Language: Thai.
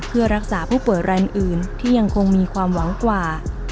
เพื่อรักษาผู้ป่วยรายอื่นที่ยังคงมีความหวังกว่า